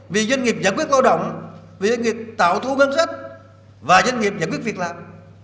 vì doanh nghiệp giải quyết lao động vì doanh nghiệp tạo thu ngân sách và doanh nghiệp giải quyết việc làm